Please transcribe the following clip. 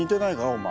お前。